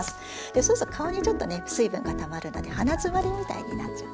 そうすると顔にちょっとね水分がたまるので鼻詰まりみたいになっちゃうんですね。